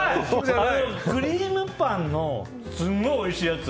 クリームパンのすごいおいしいやつ。